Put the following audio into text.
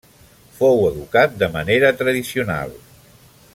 Va fou educat de manera tradicional.